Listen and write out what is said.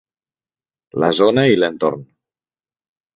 La zona i l'entorn